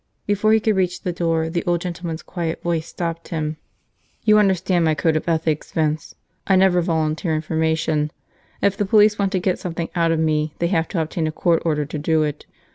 Before he could reach the door, the old gentleman's quiet voice stopped him. "You understand my code of ethics, Vince. I never volunteer information. If the police want to get something out of me they have to obtain a court order to do it.